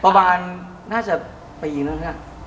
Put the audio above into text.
ประมาณน่าจะปีแล้วหรืออะไรค่ะ